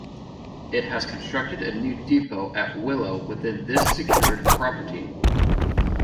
It has constructed a new depot at Willow within this secured property.